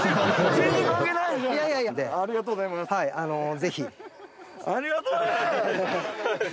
ぜひ。